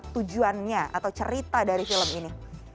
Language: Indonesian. tujuannya atau cerita dari film ini